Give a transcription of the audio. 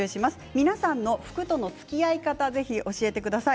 皆さんの服とのつきあい方を教えてください。